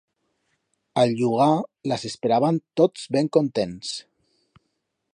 A'l llugar las esperaban tots ben contents.